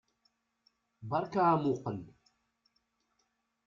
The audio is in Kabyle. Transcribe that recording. Beṛka amuqqel!